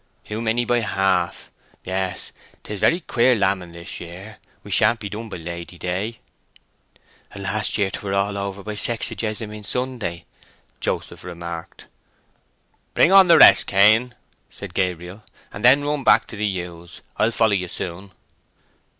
"Too many by half. Yes; 'tis a very queer lambing this year. We shan't have done by Lady Day." "And last year 'twer all over by Sexajessamine Sunday," Joseph remarked. "Bring on the rest Cain," said Gabriel, "and then run back to the ewes. I'll follow you soon."